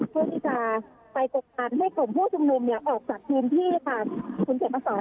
เพื่อที่จะไปประกันให้กลุ่มผู้ชุมลุมฝั่งออกจากทีมที่คุณเขตมาสอน